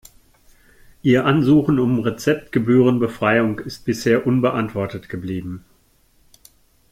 Ihr Ansuchen um Rezeptgebührenbefreiung ist bisher unbeantwortet geblieben.